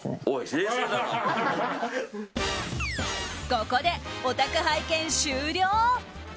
ここで、お宅拝見終了。